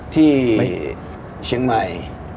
ที่เชียงใหม่